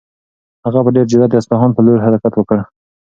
هغه په ډېر جرئت د اصفهان په لور حرکت وکړ.